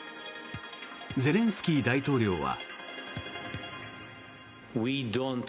ゼレンスキー大統領は。